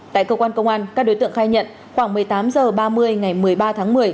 tại cơ quan công an các đối tượng khai nhận khoảng một mươi tám h ba mươi ngày một mươi ba tháng một mươi